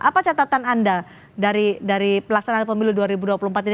apa catatan anda dari pelaksanaan pemilu dua ribu dua puluh empat ini